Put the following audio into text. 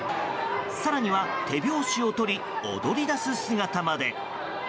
更には手拍子をとり踊り出す姿まで。